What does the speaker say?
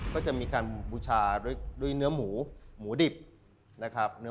ก็จะมีการบูชาด้วยเนื้อหมู